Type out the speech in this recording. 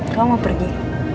kamu mau pergi